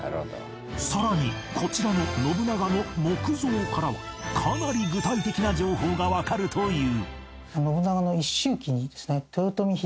さらにこちらの信長の木像からはかなり具体的な情報がわかるという